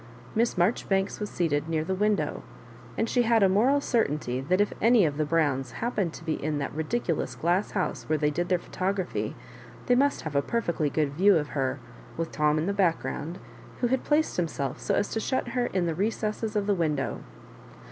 Miss Marjoribanks was seated near the window, and she had a moral certainty that if any of the Browns happened to be in that ridi culous glass house where they did their photo graphy, they must have a perfectly good view of her, with Tom in the background, who had placed himself so as to shut her intd the recess of the window.